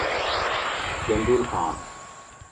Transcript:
جندول خان